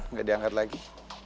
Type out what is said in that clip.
tuh kan gak diangkat lagi